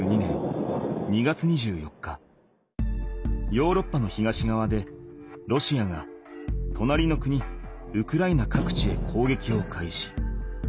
ヨーロッパの東がわでロシアがとなりの国ウクライナ各地へ攻撃を開始。